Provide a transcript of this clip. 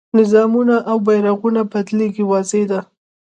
نظامونه او بیرغونه بدلېږي واضح ده.